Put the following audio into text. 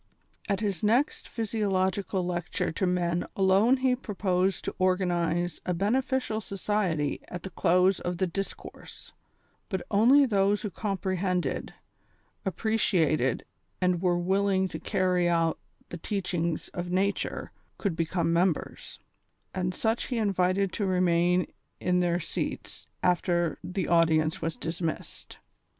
At his next physiological lecture to men alone he pro posed to organize a beneficial society at the close of the discourse ; but only those who comprehended, appreciated and were willing to carry out the teachings of nature could become members, and such he invited to remain in their seats after the audience was dismissed.